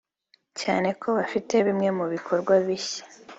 cyane ko bafite bimwe mu bikorwa bishya